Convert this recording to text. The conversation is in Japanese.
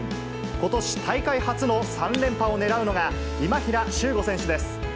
ことし、大会初の３連覇をねらうのが、今平周吾選手です。